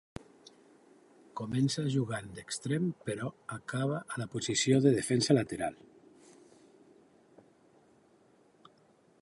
Començà jugant d'extrem però acabà a la posició de defensa lateral.